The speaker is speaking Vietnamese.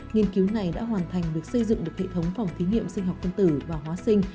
nghiên cứu này đã hoàn thành việc xây dựng được hệ thống phòng thí nghiệm sinh học phân tử và hóa sinh